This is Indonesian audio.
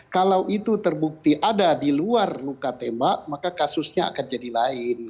kalau itu terbukti ada di luar luka tembak maka kasusnya akan jadi lain